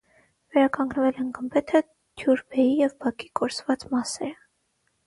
Վերականգնվել են գմբեթը, թյուրբեի և բակի կորսված մասերը։